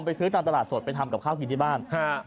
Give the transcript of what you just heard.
ซื้อตามตลาดสดไปทำกับข้าวกินที่บ้าน